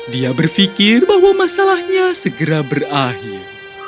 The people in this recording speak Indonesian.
dia berpikir bahwa masalahnya segera berakhir